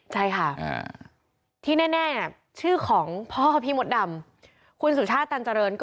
ใช่ค่ะที่แน่นะชื่อของพ่อพี่มดดำขุนสุชาษตรร์ตัลเจริญ